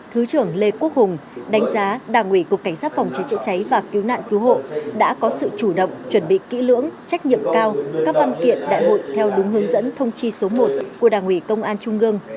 thứ trưởng lê quốc hùng đánh giá đảng ủy cục cảnh sát phòng cháy chữa cháy và cứu nạn cứu hộ đã có sự chủ động chuẩn bị kỹ lưỡng trách nhiệm cao các văn kiện đại hội theo đúng hướng dẫn thông chi số một của đảng ủy công an trung ương